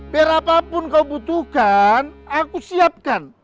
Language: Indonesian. biar apapun kau butuhkan aku siapkan